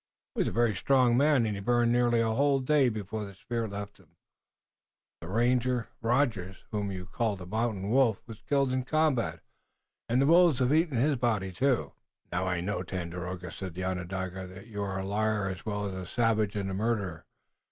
He was a very strong man, and he burned nearly a whole day before the spirit left him. The ranger, Rogers, whom you called the Mountain Wolf, was killed in the combat, and the wolves have eaten his body, too." "Now, I know, O Tandakora," said the Onondaga, "that you are a liar, as well as a savage and a murderer.